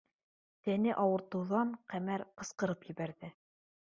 Тәне ауыртыуҙан Ҡәмәр ҡысҡырып ебәрҙе: